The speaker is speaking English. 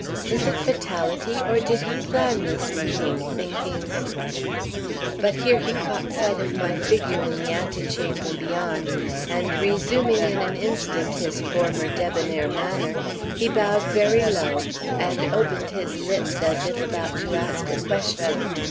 Is it fatality, or did he plan this meeting, thinking ' "But here he caught sight of my figure in the antechamber beyond, and resuming in an instant his former debonair manner, he bowed very low and opened his lips as if about to ask a question.